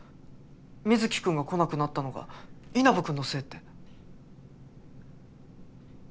水城君が来なくなったのが稲葉君のせいって。